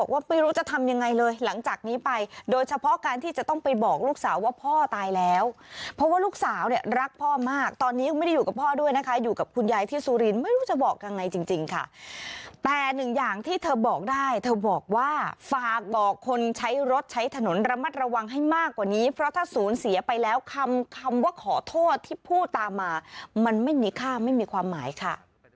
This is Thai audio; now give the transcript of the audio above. ว่าลูกสาวเนี้ยรักพ่อมากตอนนี้ไม่ได้อยู่กับพ่อด้วยนะคะอยู่กับคุณยายที่สุรินไม่รู้จะบอกยังไงจริงจริงค่ะแต่หนึ่งอย่างที่เธอบอกได้เธอบอกว่าฝากบอกคนใช้รถใช้ถนนระมัดระวังให้มากกว่านี้เพราะถ้าศูนย์เสียไปแล้วคำคำว่าขอโทษที่พูดตามมามันไม่นิค่าไม่มีความหมายค่ะ